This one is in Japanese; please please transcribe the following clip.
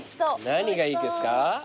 何がいいですか？